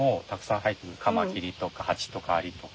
カマキリとかハチとかアリとか。